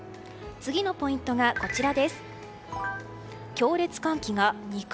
次のポイントが、こちらです。